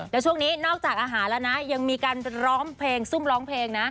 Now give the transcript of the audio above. แล้วช่วงนี้นอกจากอาหารแล้วนะยังมีการร้องเพลง